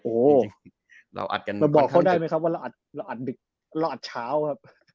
โอ้โหเราอัดกันมาบอกเขาได้ไหมครับว่าเราอัดเราอัดดึกเราอัดเช้าครับ